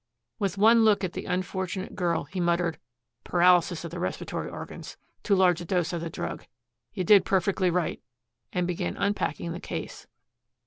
With one look at the unfortunate girl he muttered, "Paralysis of the respiratory organs too large a dose of the drug. You did perfectly right," and began unpacking the case.